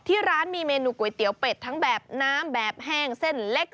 ที่ร้านมีเมนูก๋วยเตี๋ยวเป็ดทั้งแบบน้ำแบบแห้งเส้นเล็ก